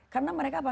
karena mereka apa